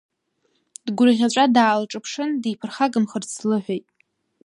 Дгәырӷьаҵәа даалҿаԥшын диԥырхагамхарц длыҳәеит.